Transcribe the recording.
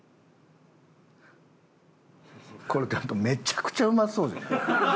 これめちゃくちゃうまそうじゃん。